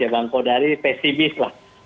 bang kodari pesimis lah